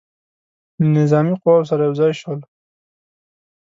له نظامي قواوو سره یو ځای شول.